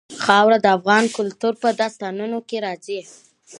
خاوره د افغان کلتور په داستانونو کې راځي.